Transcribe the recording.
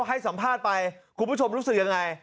ให้สัมภาษณ์ไปคุณผู้ชมรู้สึกยังไง